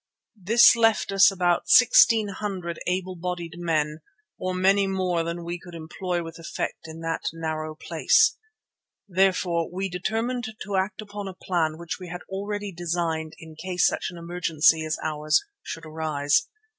This left us about sixteen hundred able bodied men or many more than we could employ with effect in that narrow place. Therefore we determined to act upon a plan which we had already designed in case such an emergency as ours should arise.